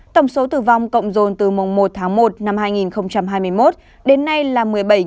tổng số tử vong cộng dồn từ mùng một tháng một năm hai nghìn hai mươi một đến nay là một mươi bảy hai trăm linh hai